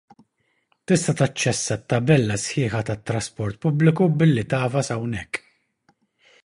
Tista' taċċessa t-tabella sħiħa tat-trasport pubbliku billi tagħfas hawnhekk.